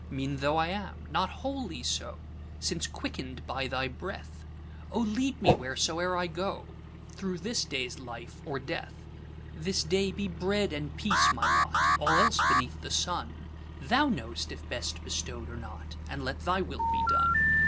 Mean tho' I am, not wholly so, Since quicken'd by thy breath;O lead me, whereso'er I go, Thro' this day's life or death! This day be bread and peace my lot:All else beneath the sunThou know'st if best bestow'd or not, And let thy will be done.